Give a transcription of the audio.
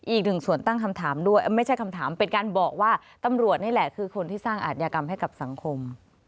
อีกหนึ่งส่วนตั้งคำถามด้วยไม่ใช่คำถามเป็นการบอกว่าตำรวจนี่แหละคือคนที่สร้างอาทยากรรมให้กับสังคม